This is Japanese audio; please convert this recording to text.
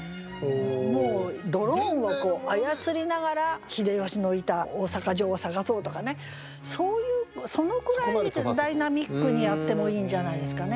もうドローンを操りながら秀吉のいた大坂城を探そうとかねそういうそのくらいダイナミックにやってもいいんじゃないですかね。